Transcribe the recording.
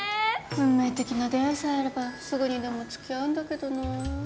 運命的な出会いさえあればすぐにでも付き合うんだけどな。